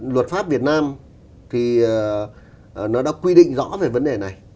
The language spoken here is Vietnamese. luật pháp việt nam thì nó đã quy định rõ về vấn đề này